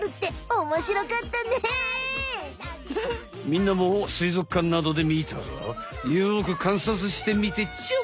みんなもすいぞくかんなどでみたらよくかんさつしてみてちょ！